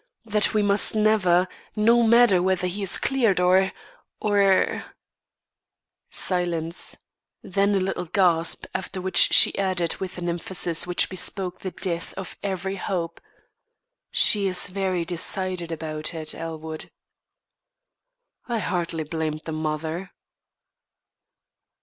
That we must never no matter whether he is cleared or or " Silence, then a little gasp, after which she added with an emphasis which bespoke the death of every hope: "She is very decided about it, Elwood." I hardly blamed the mother.